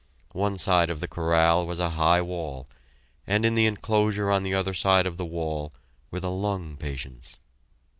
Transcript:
One side of the corral was a high wall, and in the enclosure on the other side of the wall were the lung patients.